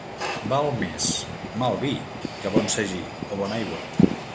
Val més mal vi que bon sagí o bona aigua.